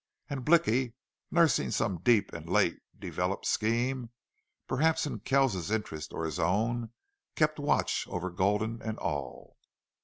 And Blicky, nursing some deep and late developed scheme, perhaps in Kells's interest or his own, kept watch over Gulden and all.